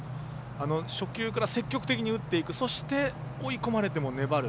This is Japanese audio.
初球から積極的に打っていくそして、追い込まれても粘る。